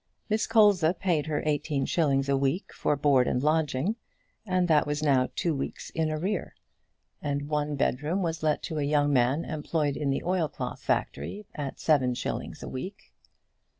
Miss Colza paid her eighteen shillings a week for board and lodging, and that was now two weeks in arrear; and one bedroom was let to a young man employed in the oilcloth factory, at seven shillings a week.